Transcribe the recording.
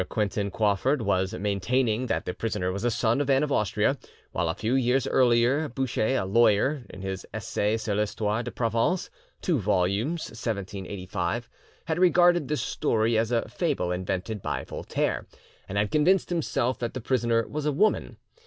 Quentin Crawfurd was maintaining that the prisoner was a son of Anne of Austria; while a few years earlier Bouche, a lawyer, in his 'Essai sur l'Histoire de Provence' (2 vols. 4to, 1785), had regarded this story as a fable invented by Voltaire, and had convinced himself that the prisoner was a woman.